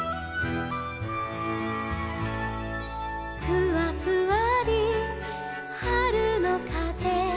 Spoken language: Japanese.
「ふわふわりはるのかぜ」